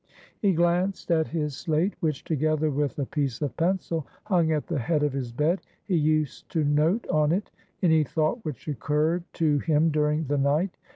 He glanced at his slate, which, together with a piece of pencil, hung at the head of his bed; he used to note on it any thought which occurred to him during the night.